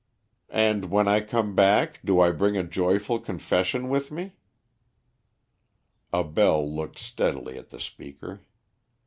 "And when I come back do I bring a joyful confession with me?" Abell looked steadily at the speaker.